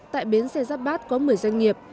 tại bến xe giáp bát có một mươi doanh nghiệp